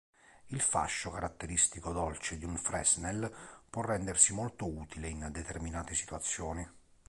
Il fascio caratteristico dolce di un fresnel può rendersi molto utile in determinate situazioni.